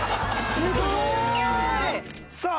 すごい！さあ